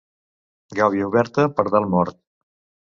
Gàbia oberta, pardal mort.